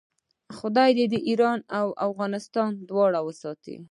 خدای دې ایران او افغانستان دواړه وساتي.